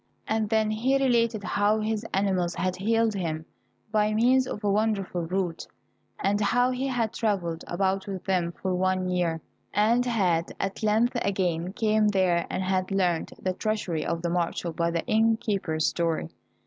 And then he related how his animals had healed him by means of a wonderful root, and how he had travelled about with them for one year, and had at length again come there and had learnt the treachery of the marshal by the inn keeper's story.